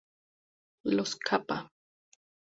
Los Kappa.